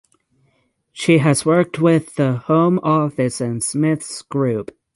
She has worked with the Home Office and Smiths Group.